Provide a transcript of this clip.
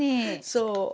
そう。